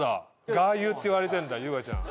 ガーユーっていわれてんだ優雅ちゃん。